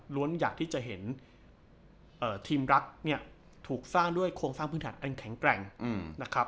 อยากที่จะเห็นทีมรักเนี่ยถูกสร้างด้วยโครงสร้างพื้นฐานอันแข็งแกร่งนะครับ